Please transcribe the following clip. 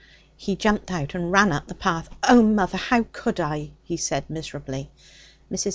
He jumped out and ran up the path. 'Oh, mother! How could I?' he said miserably. Mrs.